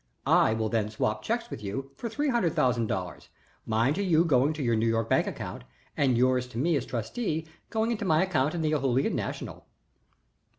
I will then swap checks with you for three hundred thousand dollars, mine to you going into your New York account and yours to me as trustee going into my account with the Ohoolihan National.